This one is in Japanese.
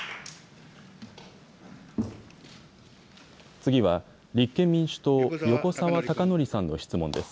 次は、立憲民主党、横沢高徳さんの質問です。